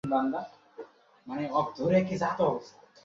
এক মিনিটের মধ্যেই আসছি।